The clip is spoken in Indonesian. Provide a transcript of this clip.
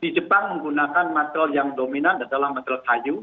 di jepang menggunakan material yang dominan adalah material kayu